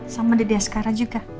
sama didya sekarang juga